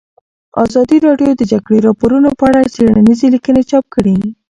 ازادي راډیو د د جګړې راپورونه په اړه څېړنیزې لیکنې چاپ کړي.